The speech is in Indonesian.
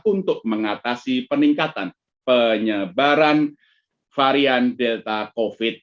untuk mengatasi peningkatan penduduk